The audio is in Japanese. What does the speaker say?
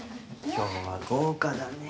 今日は豪華だね。